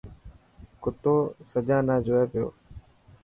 ڪتو سجانا جوئي پيو.